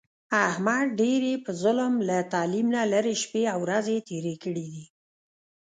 احمد ډېرې په ظلم، له تعلیم نه لرې شپې او ورځې تېرې کړې دي.